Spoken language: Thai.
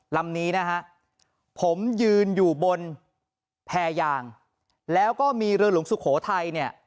ลำนี้นะฮะผมยืนอยู่บนแพรยางแล้วก็มีเรือหลวงสุโขทัยเนี่ย